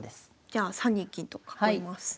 じゃあ３二金と囲います。